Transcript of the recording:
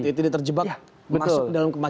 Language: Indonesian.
jadi dia terjebak masuk ke dalam kemacetan